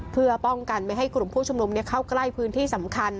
เพื่อป้องกันไม่ให้กลุ่มผู้ชุมนุมเข้าใกล้พื้นที่สำคัญ